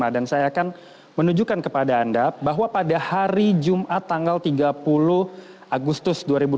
dan saya akan menunjukkan kepada anda bahwa pada hari jumat tanggal tiga puluh agustus dua ribu dua puluh tiga